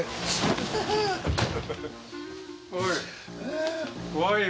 「おい」